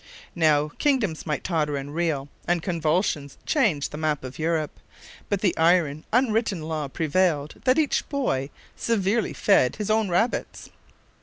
Now, kingdoms might totter and reel, and convulsions change the map of Europe; but the iron unwritten law prevailed, that each boy severely fed his own rabbits.